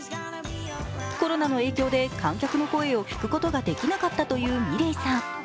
コロナの影響で観客の声を聴くことができなかったというｍｉｌｅｔさん。